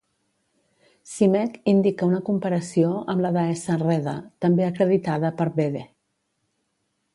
Simek indica una comparació amb la deessa Rheda, també acreditada per Bede.